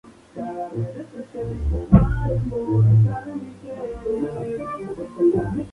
Los coeficientes deben ser enteros positivos, y el uno se omite.